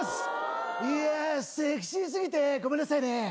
いやセクシー過ぎてごめんなさいね。